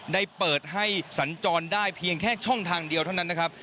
ได้เปิดให้สัญจรได้เพียงแค่ช่องทางเดียวเท่านั้นนะครับ